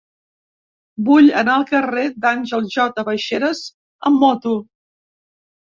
Vull anar al carrer d'Àngel J. Baixeras amb moto.